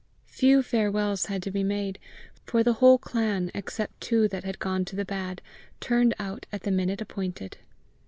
Few farewells had to be made, for the whole clan, except two that had gone to the bad, turned out at the minute appointed.